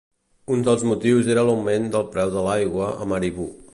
Un dels motius era l"augment del preu de l"aigua a Maribo.